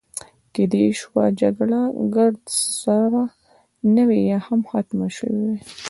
کیدای شوه جګړه ګرد سره نه وي، یا هم ختمه شوې وي.